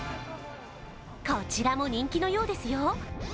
こちらも人気のようですよ。